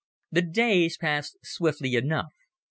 The days passed swiftly enough.